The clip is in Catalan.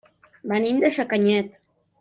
Venim de Sacanyet.